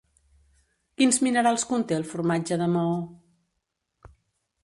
Quins minerals conté el formatge de Maó?